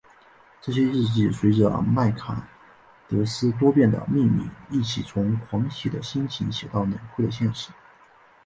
这些日记随着麦坎德斯多变的命运一起从狂喜的心情写到冷酷的现实。